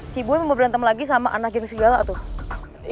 si ibu emang mau berantem lagi sama anak yang segala tuh